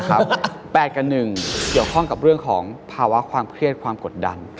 ๘กับ๑เกี่ยวข้องกับเรื่องของภาวะความเครียดความกดดัน